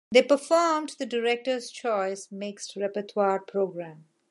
They performed the "Director's Choice" mixed repertoire program.